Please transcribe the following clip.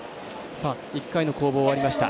１回の攻防終わりました。